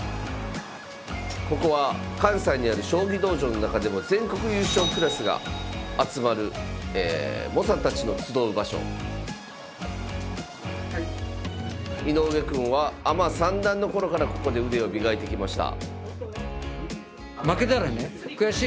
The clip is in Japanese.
ここは関西にある将棋道場の中でも全国優勝クラスが集まる井上くんはアマ三段の頃からここで腕を磨いてきました。